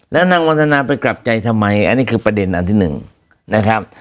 แล้วนางวันทนาไปกลับใจทำไมอันนี้คือประเด็นอันที่หนึ่งนะครับ